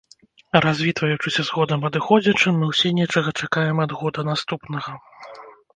Развітваючыся з годам адыходзячым, мы ўсе нечага чакаем ад года наступнага.